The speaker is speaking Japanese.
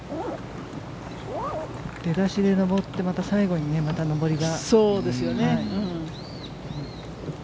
出だしで上って、最後に、また上りが。